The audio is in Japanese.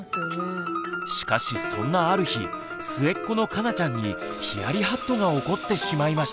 しかしそんなある日末っ子のかなちゃんにヒヤリハットが起こってしまいました。